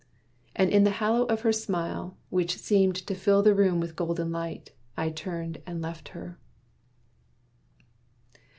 And in the halo of her smile, Which seemed to fill the room with golden light, I turned and left her.